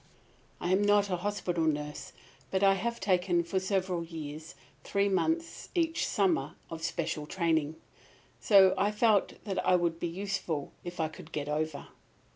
I am not a hospital nurse, but I have taken for several years three months each summer of special training. So I felt that I would be useful if I could get over.